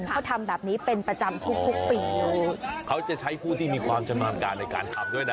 เขาทำแบบนี้เป็นประจำทุกทุกปีเขาจะใช้ผู้ที่มีความชำนาญการในการทำด้วยนะ